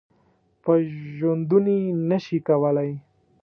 په ژوندوني نه شي کولای .